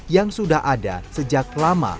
yang sudah ada sejak lama